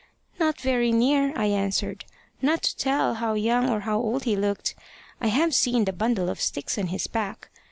`Not very near,' I answered, `not to tell how young or how old he looked. I have seen the bundle of sticks on his back.'